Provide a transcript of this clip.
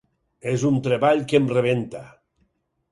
És un treball que em rebenta.